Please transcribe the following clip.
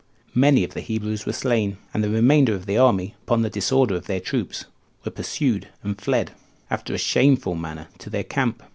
Many of the Hebrews were slain; and the remainder of the army, upon the disorder of their troops, were pursued, and fled, after a shameful manner, to their camp.